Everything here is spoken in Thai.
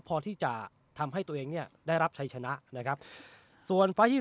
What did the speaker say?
พอที่จะทำให้ตัวเองเนี่ยได้รับชัยชนะนะครับส่วนไฟล์๒๐